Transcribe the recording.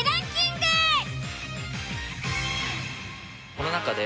この中で